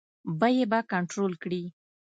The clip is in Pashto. بیې به کنټرول کړي.